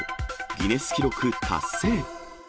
ギネス記録達成。